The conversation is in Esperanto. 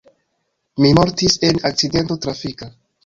Mi mortis en akcidento trafika.